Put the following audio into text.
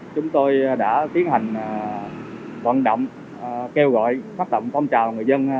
chúng tôi đã tiến hành vận động kêu gọi phát động phong trào người dân